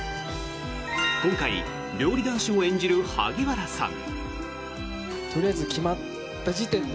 今回、料理男子を演じる萩原さん。